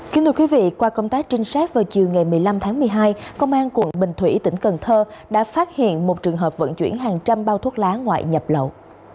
kính thưa quý vị qua công tác trinh sát vào chiều ngày một mươi năm tháng một mươi hai công an quận bình thủy tỉnh cần thơ đã phát hiện một trường hợp vận chuyển hàng trăm bao thuốc lá ngoại nhập lậu